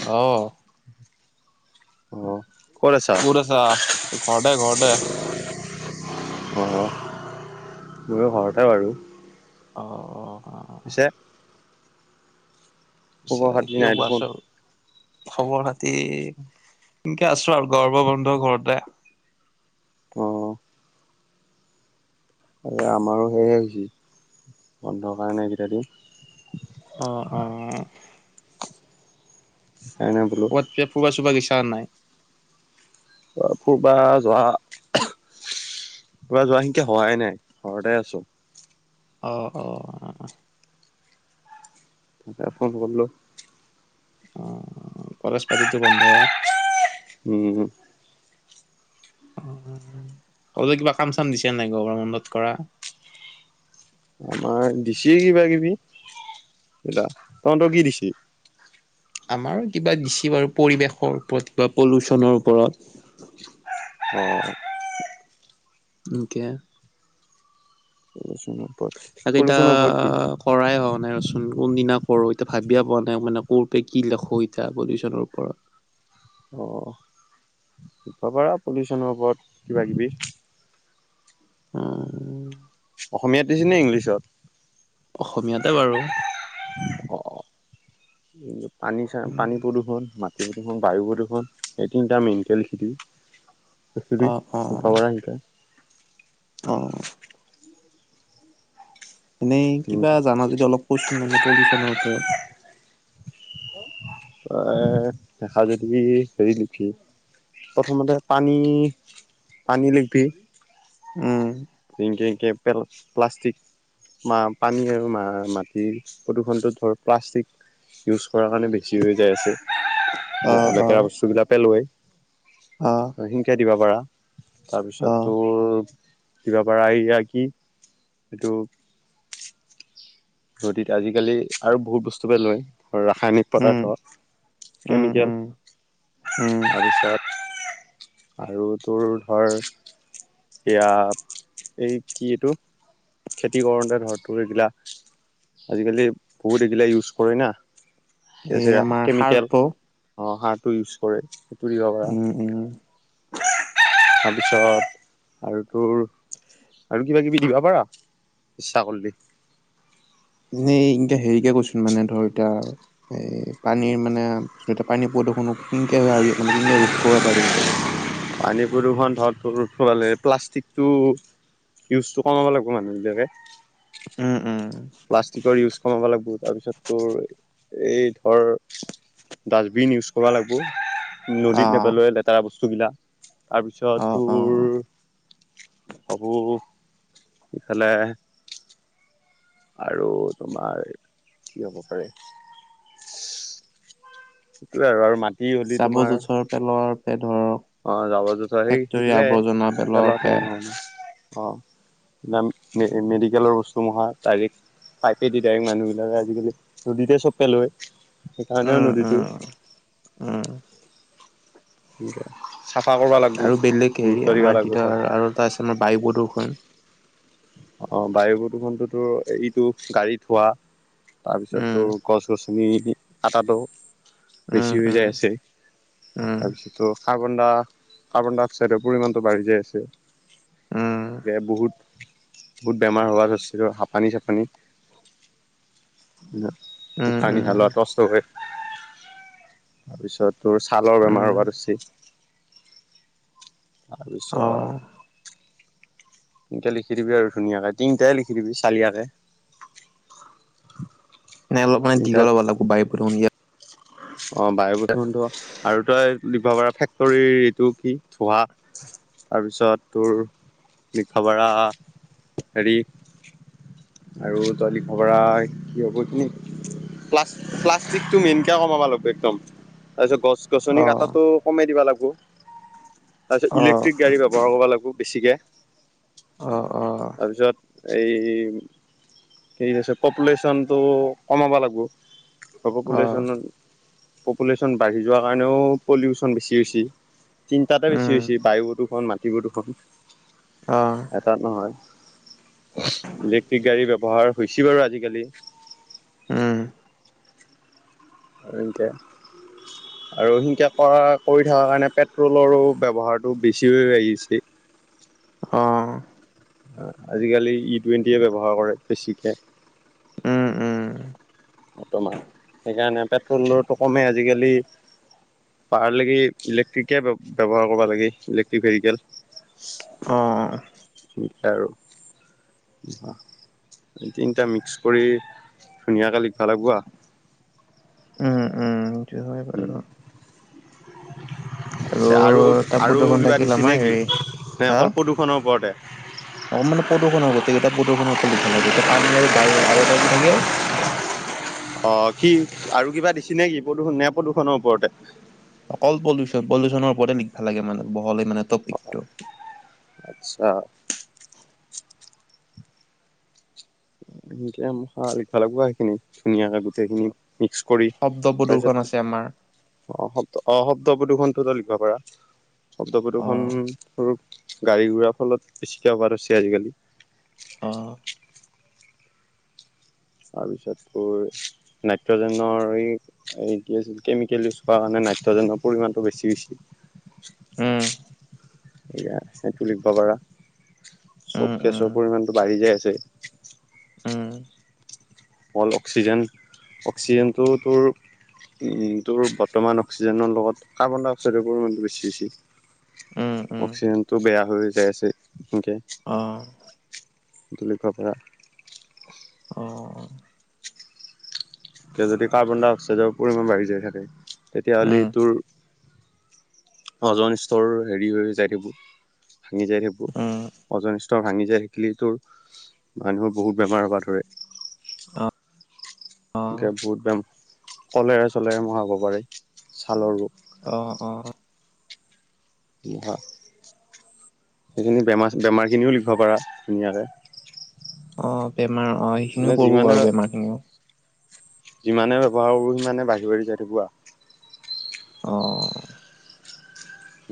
অ'। অ'। ক'ত আছা? ঘৰতে, ঘৰতে। অ'। ময়ো ঘৰতে বাৰু। অ', অ', অ'। পিছে? পিছে, খবৰ খাতি কি নাই হ'ব। দেখোন। আছো আৰু। খবৰ খাতি, এনকে আছোঁ আৰু। গৰ্ব গন্ধ ঘৰতে আ অ'। আৰে আমাৰো সেয়ে হৈছি, বন্ধ কাৰণে এইকেইটা দিন। অ', অ'। [unintelligible] কেবা ফুবা চুবা গেচা নে নাই? [unintelligible] ফুৰবা যোৱা কিবা যোৱা সিংকা হোৱাই নাই, ঘৰতে আছো। অ', অ'। তেতিয়া ফোন কৰলোঁ। অ', কলেছ পাতিটো বন্ধ। উ। তোমালোকক কিবা কাম চাম দিছে নাই গৰমৰ বন্ধত কৰা। আমাৰ দিছে কিবা কিবি। [unintelligible] তহঁতৰ কি দিছি? আমাৰো কিবা দিছি বাৰু পৰিৱেশৰ ওপৰত কিবা পলুচনৰ ওপৰত। অ'। এনকে। পলিউচনৰ ওপৰত পলিউচনৰ ওপৰত কি? আজিতাক। কৰাই হোৱা নাই, ৰচোন কোনদিনা কৰোঁ এতিয়া ভাবিয়ে পোৱা নাই মানে কতে কি লিখো এতিয়া পলিউচনৰ ওপৰত। অ' ভবা পলিউচনৰ ওপৰত কিবা-কিবি। উম, অসমীয়াত দিছে নে ইংলিছত? অসমীয়াতে বাৰু। অ' পানী চা উম, পানী প্ৰদূষণ মা প্ৰদূষখন বায়ু প্ৰদূষণ এই তিনিটা মেণ্টেলটি চ আহে অ', অ', [unintelligible] অ' এনেই কিবা জানা যদি অলপ কৈছোঁ মানে পলিউচনৰ ওপৰত। এ দেখা যদি হেৰি লিখি প্ৰথমতে পানী-পানী লিখিব উম' যেনে একে প্লাষ্টিক মা পানী আৰু মা মাটিৰ প্ৰদূষণটো ধৰক প্লাষ্টিক। ইউজ কৰাৰ কাৰণে বেছি হৈ যাই আছে, অ', অ', লেতেৰা বস্তু বিলাকে লৈ অ' শিকাই দিবা পাৰা তাৰপিছত অ', তোৰ কিবা পৰা এইয়া কি এইটো নদীত আজিকালি আৰু বহুত বস্তুৱে লয় ধৰ ৰাসায়নিক উম, পদাৰ্থ উম, কেমিকেল উম, উম, আৰু তাত আৰু তোৰ ধৰ এইয়া [unintelligible] এই কি এইটো? খেতি কৰোঁতে ধৰ তোৰ এইবিলাক, আজিকালি বহুত এইবিলাক ইউজ কৰে না সেই এই যে আমাৰ কেমিকেল সাৰ্প অ' সাৰটো ইউজ কৰে, সেইটো দিব পাৰা। উম, উম, তাৰপিছত আৰু তোৰ আৰু কিবা-কিবি দিব পাৰা ইচ্ছা কৰিলে। এনে এনেকে হেৰিকে কৈছোঁ মানে ধৰ এতিয়া এ পানীৰ মানে যাতে পানী প্ৰদূষণক কিনকে সাৰি মানে কিনেকে ৰোধ কৰিব পাৰি। পানী প্ৰদূষণ ধৰ তোৰ হ'লে প্লাষ্টিকটো ইউজটো কমাব লাগিব মানুহবিলাকে। উম' উম' প্লাষ্টিকৰ ইউজ কমাব লাগিব। তাৰপিছত তোৰ এই ধৰ ডাষ্টবিন ইউজ কৰিব লাগিব, নদীত অ', নেপেলোৱা বেয়া বস্তুবিলাক, তাৰপিছত অ', তোৰ অ', হ'ব ইফালে আৰু তোমাৰ কি হ'ব পাৰে? সেইটোয়ে আৰু মাটি হলি তোমাৰ জাবৰ-জোথৰ পেলোৱাকে ধৰক অ' জাবৰ-জোথৰ সেই সেইবিলাই পেলোৱাৰ পেলাই পে থ'ব না। অ' নাম এ মেডিকেলৰ ওচৰ দুমাহ তাৰিখ পাইপে দি ডাইৰেক্ট মানুহবিলাকে আজিকালি নদীতে চব পেলোৱাই। সেইকাৰণে নদীটো অ' চাফা কৰিব লাগিব, গুৰুত্ব দিবা লাগিব হয়। তাৰপাছত আমাৰ বায়ু প্ৰদূষণ অ বায়ু প্ৰদূষণতো তোৰ এইটো গাড়ীত হোৱা তাৰপিছত উম, তোৰ গছ গছন মিল কাটাটো উম, বেছি হৈ উম, যায় আছে উম, তাৰপিছত তো কাৰ্বন ডা কাৰ্বন ডাই অক্সাইডৰ পৰিমাণটো বাঢ়ি যায় আছে উম, কে বহুত বহুত বেমাৰ হোৱা গেছে ৰ হাঁফানি চাফানি উম উম, উশাহ নিশা উম, লোৱা কষ্ট হে তাৰপিছত তোৰ ছালৰ বেমাৰ উম। হোৱা দেখিছে। তাৰপিছত অ', এনকে লিখি দিবি আৰু ধুনীয়াকে তিনটাই লিখি দিবি চালিয়াকে। অলপমান তিনিটাত দীঘল হব ন বায়ু প্ৰদূষণ [unintelligible] অ বায়ু প্ৰদূষণতটো আৰু তই দিব পাৰ ফেক্টৰীৰ এইটো কি ধোঁৱা তাৰপিছত তোৰ লিখবা পাৰা হেৰি আৰু তই লিখবা পাৰা কি হ'ব কি প্লাষ্ট প্লাষ্টিকতো মেইন কমাব লাগব একদম তাৰপিছত গছ গছনি অ', কটাটো সোমেই দিব লাগব। তাৰপিছত অ', ইলেক্ট্ৰিক গাড়ী ব্যৱহাৰ কৰিব লাগিব বেছিকে অ অ তাৰপিছত এই থিক আছে পপুলেচনটো কমাব লাগিব। হব অ', পপুলেশ্যন পপুলেশ্যন বাঢ়ি যোৱাৰ কাৰণেও পলিউচন বেছি হৈছে। তিনটাতে বেছি উম, হৈছে বায়ু প্ৰদুষণ মাটি প্ৰদুষণ। অ এটাত নহয় ইলেক্ট্ৰিক গাড়ী ব্যৱহাৰ হৈছে বাৰু আজিকালি উম আৰ এনকে আৰু সেনকে কৰা কৰি থকাৰ কাৰণে পেট্ৰলৰো ব্যৱহাৰটো বেছি হৈ হৈ আহি আছে অহ আ আজিকালি ই টুৱেণ্টিয়ে ব্যৱহাৰ কৰে বেছিকে উম, উম, বৰ্তমান সেইকাৰণে পেট্ৰলৰটো কমে আজিকালি পাৰা লেকে ইলেক্ট্ৰিকে বে ব্যৱহাৰ কৰবা লাগে ইলেক্ট্ৰিক ভেৰিকেল অহ আৰু এই তিনটা মিক্স কৰি ধুনীয়াকে লিখবা লাগবা উম উম সেইটো হয় বাৰু তে আৰু তাপ আৰু প্ৰদূষণ কিবা থাকিল দিছে আমাৰ নেকি হেৰি নে হা অকল প্ৰদূষণৰ ওপৰতে অ মানে প্ৰদূষণৰ গোটেই গিটা প্ৰদূষণৰ ওপৰত লিখবা লাগে এতিয়া পানী আৰু বায়ু হ'ল আৰু এটা কি থাকিল অ কি আৰু কিবা দিছে নেকি প্ৰদূষণ নে প্ৰদূষণৰ ওপৰতে অকল পলিউচন পলিউচনৰ ওপৰতে লিখবা লাগে মানে বহলেই মানে টপিকটো আচ্ছা এনকে আ লিখবা লাগব আৰ সেইখিনি ধুনীয়াকে গোটেইখিনি মিক্স কৰি শব্দ প্ৰদূৰ্ষন তাৰপিছত আছে আমাৰ অ শব্দ অ শব্দ প্ৰদূষণটোতো লিখবা পাৰা শব্দ অ প্ৰদূষণটোৰ গাড়ী ঘোৰাৰ ফলত বেছিকে অভাৰ হৈছে আজিকালি অহ তাৰপিছত তোৰ নাইট্ৰজেনৰ এই এই কি আছিল কেমিকেল ইউজ কৰা কাৰণে নাইট্ৰজেনৰ পৰিমাণটো বেছি হৈছে উম [inaudible] এইয়া সেইটো লিখিব পাৰা চব উম উম গেছৰ পৰিমাণটো বাঢ়ি যায় আছে উম অল অক্সিজেন অক্সিজেনটো তোৰ উম তোৰ বৰ্তমান অক্সিজেনৰ লগত কাৰ্বন ডাই অক্সাইডৰ পৰিমাণটো বেছি হৈছে উম উম অক্সিজেনটো বেয়া হৈ যায় আছে এনেকে অ এইটো লিখিব পাৰা অহ এতিয়া যদি কাৰ্বন ডাই অক্সাইডৰ পৰিমাণ বাঢ়ি যায় থাকে তেতিয়া হ'লে উম তোৰ ওজন স্তৰ হেৰি হৈ যাই থাকিব ভাঙি যাই থাকিবো উম ওজন স্ত ৰ ভাঙি যায় থাকিলে তোৰ মানুহৰ বহুত বেমাৰ হ'ব ধৰে অ অ এনেকৈ বহুত বেম কলেৰা চলেৰা বেমাৰ হ'ব পাৰে ছালৰ ৰোগ অহ অহ [unintelligible] সেইখিনি বেমাৰ বেমাৰখিনিও লিখিব পাৰা ধুনীয়াকে অ বেমাৰ অ সেইখিনিও মানে পৰিব যিমানে বাৰু বেমাৰ খিনিও যিমানে ব্যৱহাৰ কৰোঁ সিমানে বাঢ়ি বাঢ়ি যাই থাকিব আৰু অহ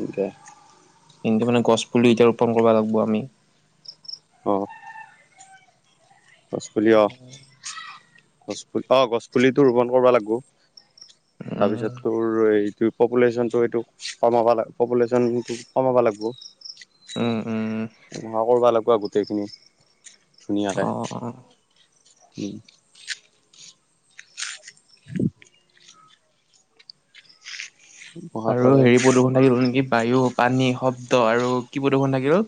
এনেকে এনেকে মানে গছ পুলি এতিয়া ৰোপণ কৰিব লাগিব আমি অ গছ পুলি অ উম গছ পুলি অ গছ পুলিটো ৰোপন কৰিব লাগিব তাৰপিছত তো তোৰ এইটো পপুলেশ্যনটো এইটো কমাব লাগ পপুলেশ্যনটো কমাব লাগিব উম উম উম এই মোখা কৰিব লাগিব আৰু গোটেইখিনি ধুনীয়াকে অ উম [inaudible] [unintelligible] প্ৰদূৰ্ষণ থাকি গ'ল নেকি বায়ু পানী শব্দ আৰু কি প্ৰদূৰ্ষণ থাকি গ'ল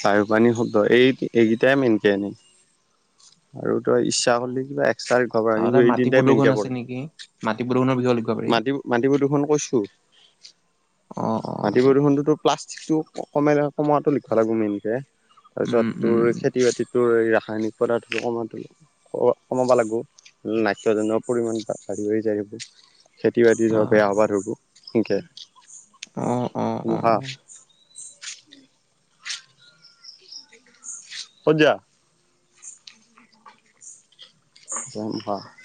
চাহিও পানী শব্দ এই এইকেইটাই মেইনকে এনেই আৰু তই ইচ্ছা অ কৰিলে কিবা এক্সট্ৰ ঘ আৰু কিন্তু তাত মাটি এইদিনটাই প্ৰদূষণ মেইনকে আছে পৰে নেকি? মাটি প্ৰদূষৰ বিষযয়ে লিখিব পাৰি মাটি মাটি প্ৰদূষণৰ কৈছোঁ অ', মাটি অ', প্ৰদূষণ টোতো প্লাষ্টিকটো কম কমাতটো লিখিব লাগিব মেইনকে তাৰ উম, পিছত উম, তোৰ খেতি বাতি তোৰ ৰাসায়নিক পদাৰ্থ কমা তো ক কমাব লাগিব নাট্ৰজেনৰ পৰিমাণ বা বাঢ়ি বাঢ়ি যায় খেতি বাতি ধৰক বেয়া অ', হবা ধৰব সেনকে আহ অ অ মোখা ক'ত জা [unintelligible]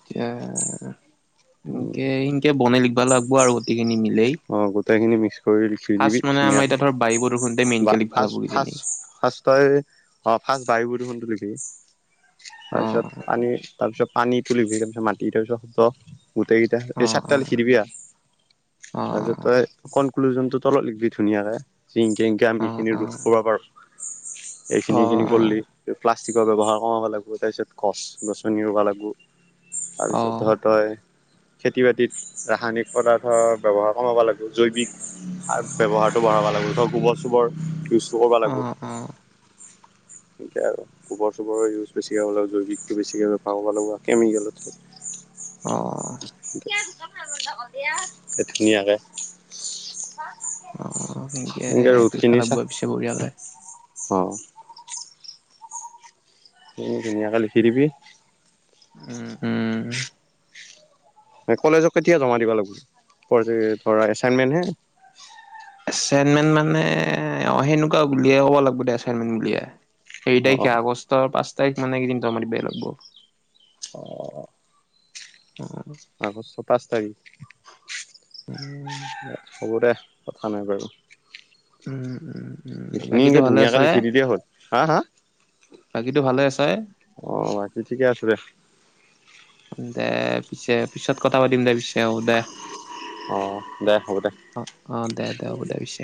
এতিয়া এনকে সনকে বনাই লিখিবা লাগিব আৰু গোটেইখিনি মিলেই অঁ গোটেইখিনি মিক্স কৰি থুই ফাৰ্ষ্ট দিবি মানে আমাৰ ধুনীয়াকৈ এতিয়া ধৰ বায়ু প্ৰদূষণতে বা মেইনকে লিখিব ফাৰ্ষ লাগিব কিজানি। ফাৰ্ষ্ট ফাৰ্ষ্ট তই অঁ ফাৰ্ষ্ট বায় দেখোনটো দিবি তাৰপিছত অ', আনি তাৰ পিছত পান তুলিবহি তাৰ পিছত মাটিাৰ পিছত গোটেইকেইটা এই অ', চাৰিটালি অ', খিৰিিব আৰু তাৰিছত অ', তই কনক্লুজনতটো তলত লিখবি ধুনীয়াকে জিং কেংকে আমি অ', এইখিনি অ', ৰোধ কৰিব পাৰোঁ এইখিনি, অ', অ', এইখিনি কৰলি, প্লাষ্টিকৰ ব্যৱহাৰ কৰা লাগিব, তাৰ পিছত গছ গছনি ৰুব লাগব। অ', অ', অ', অ', তাৰপিছত অ'। ধৰ তই, খেতি বাতিত ৰাসায়নিক পদাৰ্থ ব্যৱহাৰ কমাব লাগিব, জৈৱিক, ব্যৱহাৰটো বঢ়াব লাগিব, গোবৰ চোবৰ ব লাগি, তাকে আৰু। গোবৰ চোবৰৰ ইউজ বেছিক হ'ব লাগিব, জৈৱিকটো বেছিকৈ পাব লাগিব, কেমিকেলত এতিয়া [unintelligible] সেইখিনীয়াকে অ', সেনকে তোক ভালাগ চা বোৱা পিছে বঢ়য়ালে অ'। ধুনীয়াকৈ লিখি দিবি। উম, উম। কলেজক কেতিয়া জমা দিবা লাগব, এচাইনমেন্ট হে? এচাইনমেণ্ট মানে, অ', সেনেকুৱা বুলিয়াই ক'ব লাগিব দে, এচাইনমেণ্ট বুলিয়াই। সেই অ তাৰিখে আগষ্টৰ পাঁচ তাৰিখ মানে জমা দিব লা। অ'। উম। আগষ্ট পাঁচ তাৰিখ উম। হ'ব দে, কথা নাই ক। উম, উম। বাকীটো এইখিনিকে ভালে ধুনীয়াকে আছই, লিখি দিলেই হ'ল হা হা বাকীটো ভালে আছই? অ', বাকী ঠিকে আছে দে। দে পিছে পিছত কথা পাতিম দে, পিছে অ', দে। অ', দে, হ'ব দে। অ', দে, দে হ'ব দে পিছে।